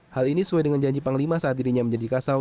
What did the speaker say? hal ini sesuai dengan janji panglima saat dirinya menjadi kasau